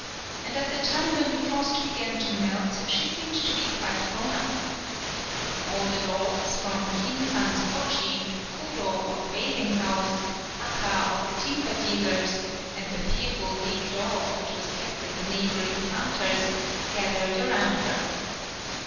And at the time when the frost began to melt she seemed to be quite grown up. All 125 PAULOWNIA the dogs, from Kin san's Pochi to Kuro of the bathing house, Aka of the timber dealer's, and the fearful big dog which was kept at the neighboring planter's, gathered around her.